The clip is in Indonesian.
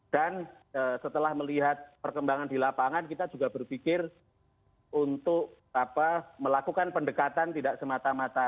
dan setelah melihat perkembangan di lapangan kita juga berpikir untuk melakukan pendekatan tidak semata mata